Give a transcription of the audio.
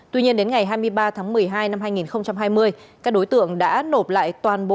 tuy nhiên đến ngày hai mươi ba tháng một mươi hai năm hai nghìn hai mươi các đối tượng đã nộp lại toàn bộ